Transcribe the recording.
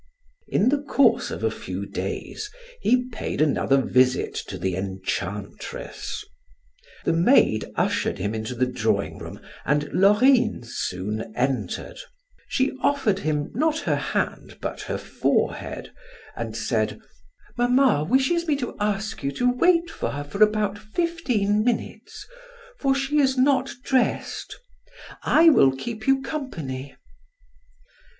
In the course of a few days he paid another visit to the enchantress. The maid ushered him into the drawing room and Laurine soon entered; she offered him not her hand but her forehead, and said: "Mamma wishes me to ask you to wait for her about fifteen minutes, for she is not dressed. I will keep you company."